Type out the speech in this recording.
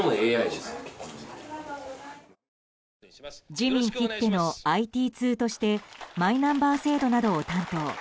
自民きってのＩＴ通としてマイナンバー制度などを担当。